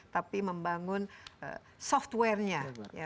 tapi membangun software nya